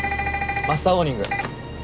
マスター・ウォーニング！